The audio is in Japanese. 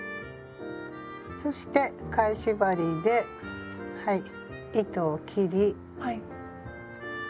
そして返し針ではい糸を切り。